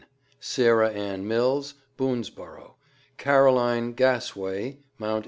SARAH ANN MILLS, Boonsborough; CAROLINE GASSWAY, Mt.